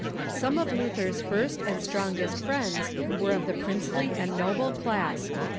Some of Luther's first and strongest friends were of the princely and noble class.